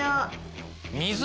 水？